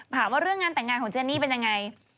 ถามว่าเรื่องงานต่างงานของเจนนี่เป็นอย่างไร